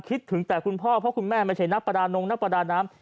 คิดถึงแต่คุณพ่อเพราะคุณแม่ไม่ใช่นักประดานม